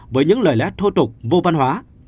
với những lời lẽ thô tục vô văn hóa